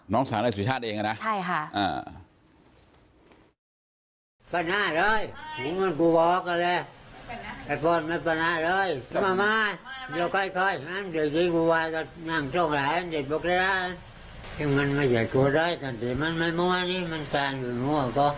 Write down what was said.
น้องสาวนางสุชาติเองอะนะ